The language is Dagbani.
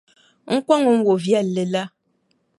N kɔŋ n wɔʼ viɛlli la.